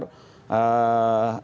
atau selalu membencimu